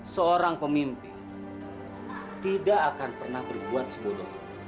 seorang pemimpin tidak akan pernah berbuat sebudong itu